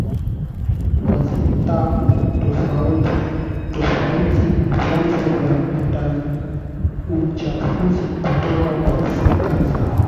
kwa sekta tofauti tofauti Vyanzo vya uchafuzi kutoka kwa sekta za